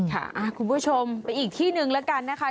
คุณผู้ชมไปอีกที่หนึ่งแล้วกันนะคะ